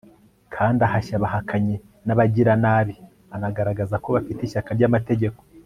kandi ahashya abahakanyi n'abagiranabi anagaragaza ko bafite ishyaka ry'amategeko